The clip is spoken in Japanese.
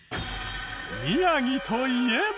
「宮城といえば」